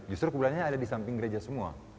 justru kuburannya ada di samping gereja semua